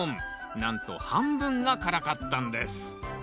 なんと半分が辛かったんです。